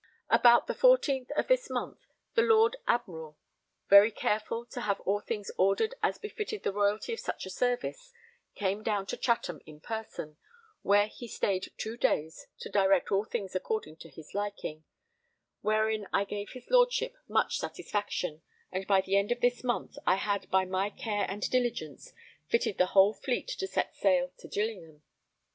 About the 14th of this month the Lord Admiral, very careful to have all things ordered as befitted the royalty of such a service, came down to Chatham in person, where he stayed two days to direct all things according to his liking; wherein I gave his Lordship much satisfaction, and by the end of this month I had by my care and diligence fitted the whole Fleet to set sail to Gillingham.